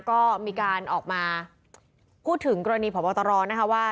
ก็มีการออกมาพูดถึงกรณีพบตรนะคะว่า